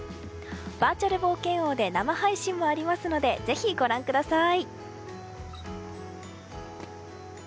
バーチャル冒険王で生配信もありますのでぜひご覧ください。